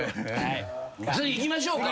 次いきましょうか。